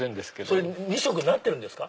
それ２色になってるんですか？